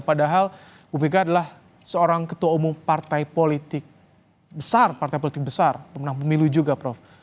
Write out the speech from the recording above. padahal bu mega adalah seorang ketua umum partai politik besar partai politik besar pemenang pemilu juga prof